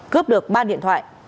cướp được ba điện thoại